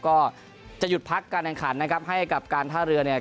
ก็จะหยุดพักการแข่งขันนะครับให้กับการท่าเรือเนี่ย